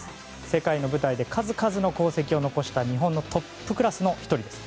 世界の舞台で数々の功績を残した日本のトップクラスの１人です。